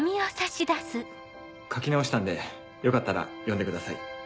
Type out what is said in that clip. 書き直したんでよかったら読んでください。